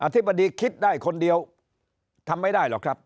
ธิบดีคิดได้คนเดียวทำไม่ได้หรอกครับ